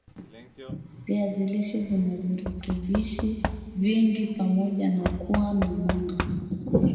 viazi lishe vina virutubishi vingine vingi pamoja na kuwa na wanga